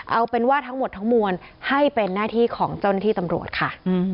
เอาเป็นว่าทั้งหมดทั้งมวลให้เป็นหน้าที่ของเจ้าหน้าที่ตำรวจค่ะ